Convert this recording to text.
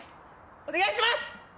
お願いします！